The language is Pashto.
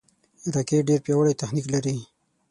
راکټ ډېر پیاوړی تخنیک لري